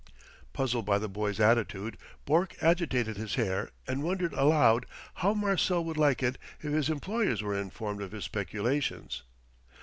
Puzzled by the boy's attitude, Bourke agitated his hair and wondered aloud how Marcel would like it if his employers were informed of his peculations.